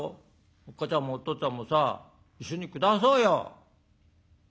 おっかちゃんもおとっつぁんもさ一緒に暮らそうよ」。